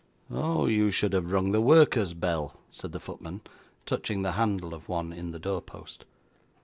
'Oh! you should have rung the worker's bell,' said the footman, touching the handle of one in the door post.